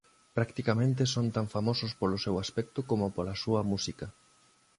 Practicamente son tan famosos polo seu aspecto como pola súa música.